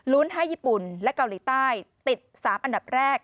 ให้ญี่ปุ่นและเกาหลีใต้ติด๓อันดับแรก